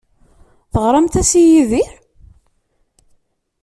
Teɣramt-as i Yidir?